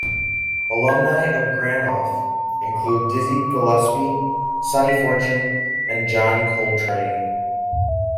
Alumni of Granoff include Dizzy Gillespie, Sonny Fortune and John Coltrane.